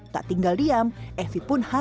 tak tinggal diam evi pun hati hati